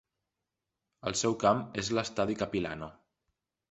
El seu camp és l'estadi Capilano.